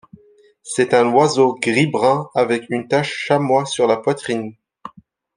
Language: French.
C'est un oiseau gris-brun avec une tache chamois sur la poitrine.